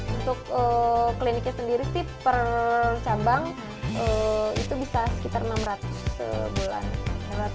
untuk kliniknya sendiri sih per cabang itu bisa sekitar enam ratus sebulan